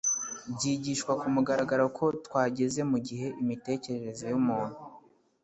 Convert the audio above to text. Byigishwa ku mugaragaro ko twageze mu gihe imitekerereze yumuntu